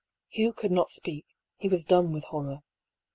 Hugh could not speak ; he was dumb with horror.